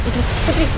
putri putri putri